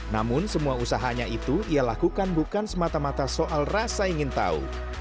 namun semua usahanya itu ia lakukan bukan semata mata soal rasa ingin tahu